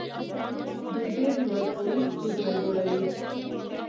دوی ډېر لوړ پوړیز کورونه جوړوي.